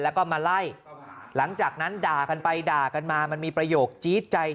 แล้วก็มาไล่หลังจากนั้นด่ากันไปด่ากันมามันมีประโยคจี๊ดใจ